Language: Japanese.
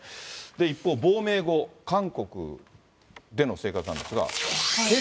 一方、亡命後、韓国での生活なんですが。